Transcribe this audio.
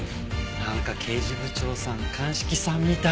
なんか刑事部長さん鑑識さんみたい。